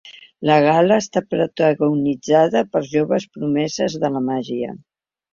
La gala està protagonitzada per joves promeses de la màgia.